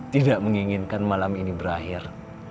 tidak menginginkan malam ini berakhir